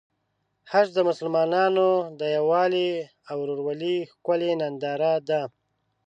حج د مسلمانانو د یووالي او ورورولۍ ښکلی ننداره ده.